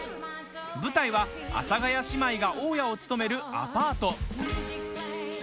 舞台は阿佐ヶ谷姉妹が大家を務めるアパート。